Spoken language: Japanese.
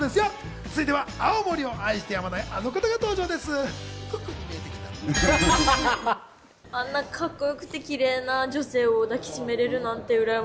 続いては、青森を愛してやまない、あの方が登場でございますよ。